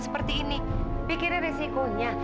seperti ini pikirin resikonya